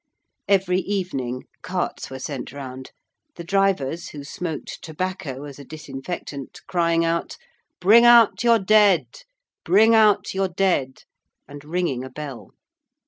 Every evening carts were sent round, the drivers who smoked tobacco as a disinfectant, crying out, 'Bring out your Dead. Bring out your Dead,' and ringing a bell.